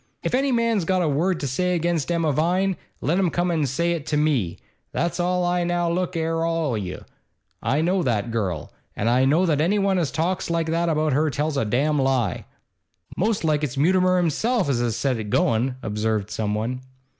'If any man's got a word to say against Emma Vine, let him come an' say it to me, that's all I Now look 'ere, all o' you, I know that girl, and I know that anyone as talks like that about her tells a damned lie.' 'Most like it's Mutimer himself as has set it goin',' observed someone.